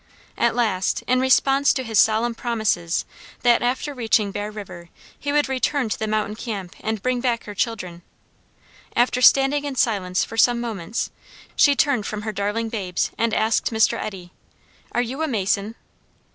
At last, in response to his solemn promises that, after reaching Bear River, he would return to the mountain camp and bring back her children, after standing in silence for some moments, she turned from her darling babes and asked Mr. Eddy, "Are you a mason?"